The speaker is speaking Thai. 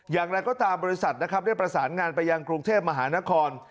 อย่างไรก็ตามบริษัทนะครับได้ประสานงานไปยังกรุงเทพมหานคร